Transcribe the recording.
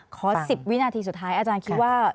ขอ๑๐วินาทีสุดท้ายอาจารย์คิดว่า